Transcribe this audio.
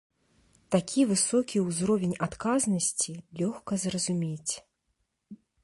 Такі высокі ўзровень адказнасці лёгка зразумець.